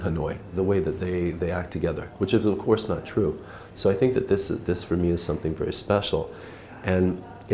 hà nội là một thành phố trông trọng trong tương lai